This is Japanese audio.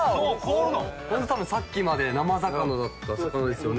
これさっきまで生魚だった魚ですよね